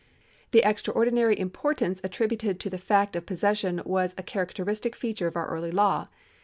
^ The extraordinary importance attributed to the fact of possession was a characteristic feature of our early law.